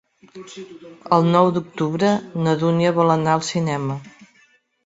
El nou d'octubre na Dúnia vol anar al cinema.